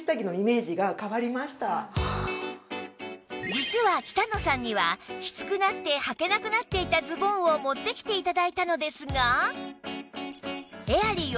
実は北野さんにはきつくなってはけなくなっていたズボンを持ってきて頂いたのですが